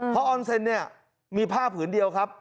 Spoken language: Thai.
เพราะออนเซ็นเนี่ยมีผ้าผืนเดียวครับ